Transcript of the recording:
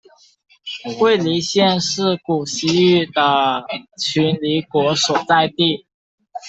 尉犁县是古西域的渠犁国所在地。